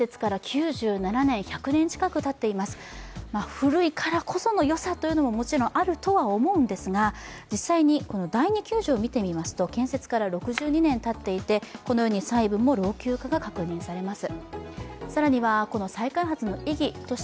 古いからこその良さというのもあるとは思うんですが、実際に第二球場を見てみますと建設から６２年たっていてこのように細部も老朽化が確認されます。